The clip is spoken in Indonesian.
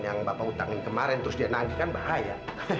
yang bapak utangin kemarin terus dia nanggikan bahaya